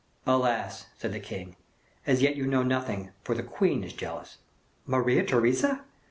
"Alas," said the king, "as yet you know nothing, for the queen is jealous." "Maria Theresa!"